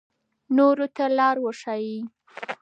نورو ته لار وښایئ.